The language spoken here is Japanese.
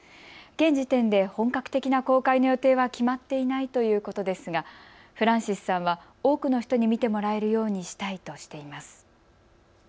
現時点で本格的な公開の予定は決まっていないということですがフランシスさんは多くの人に見てもらえるようにしたいとしています。